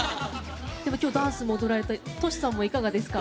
今日はダンスを踊られたＴｏｓｈｌさんもいかがですか？